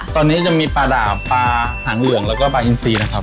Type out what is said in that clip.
ตอนนี้จะมีปลาดาบปลาหางเหลืองแล้วก็ปลาอินซีนะครับ